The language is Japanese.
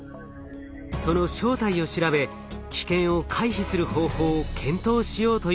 その正体を調べ危険を回避する方法を検討しようというのです。